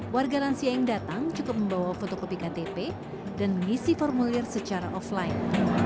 warga lansia yang datang cukup membawa fotokopi ktp dan mengisi formulir secara offline